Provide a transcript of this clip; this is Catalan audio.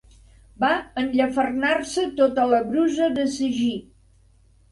Va enllefernar-se tota la brusa de sagí.